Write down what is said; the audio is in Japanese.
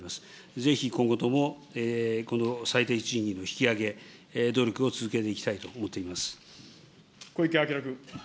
ぜひ今後ともこの最低賃金の引き上げ、努力を続けていきたいと思小池晃君。